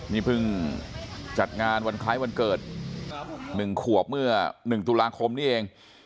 นี่เพิ่งจัดงานวันคล้ายวันเกิด๑ขวบเมื่อ๑ตุลาคมนี้เอง